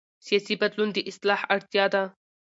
سیاسي بدلون د اصلاح اړتیا ده